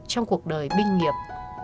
trong cuộc đời binh nghiệp